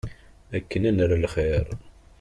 Akken ad nerr lxir.